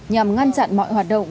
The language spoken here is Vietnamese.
nhằm ngăn chặn mọi hoạt động